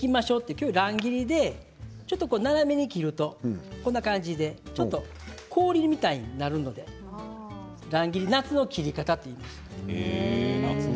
今日は乱切りでちょっと斜めに切るとこんな感じで氷みたいになるので夏の切り方といいます。